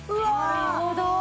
なるほど。